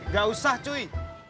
gak usah cuy